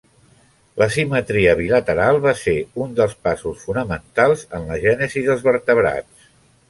La simetria bilateral va ser un dels passos fonamentals en la gènesi dels vertebrats.